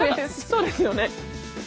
そうですよね？